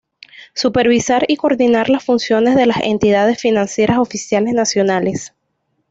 Supervisar y coordinar las acciones de las entidades financieras oficiales nacionales.